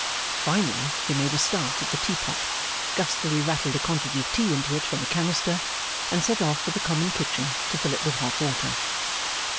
Finally, he made a start at the teapot, gustily rattled a quantity of tea into it from a canister, and set off for the common kitchen to fill it with hot water.